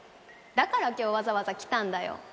だから今日わざわざ来たんだよ。